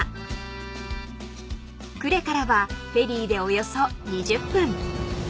［呉からはフェリーでおよそ２０分］